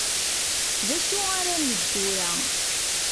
D acu ar ad neg tura?